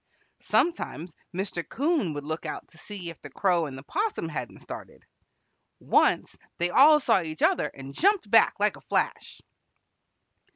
Sometimes Mr. 'Coon would look out to see if the Crow and the 'Possum hadn't started. Once they all saw each other, and jumped back like a flash.